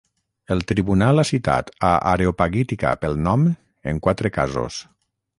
El tribunal ha citat a "Areopagitica" pel nom en quatre casos.